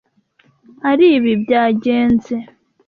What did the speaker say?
aribi byagenze.